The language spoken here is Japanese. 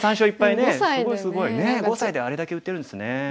ねえ５歳であれだけ打てるんですね。